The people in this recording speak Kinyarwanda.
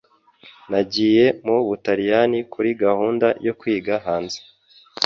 Nagiye mu Butaliyani kuri gahunda yo kwiga hanze.